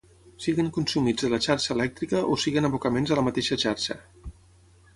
siguin consumits de la xarxa elèctrica o siguin abocaments a la mateixa xarxa